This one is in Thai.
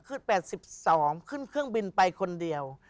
คือ๘๒ขึ้นเครื่องบินไปคนเดียว